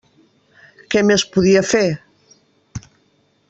Què més podia fer?